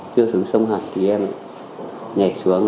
chưa xuống sông hật thì em nhảy xuống